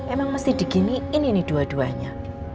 emang mesti diginiin ini dua duanya